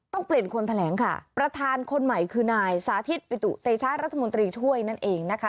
ต้องเปลี่ยนคนแถลงค่ะประธานคนใหม่คือนายสาธิตปิตุเตชะรัฐมนตรีช่วยนั่นเองนะคะ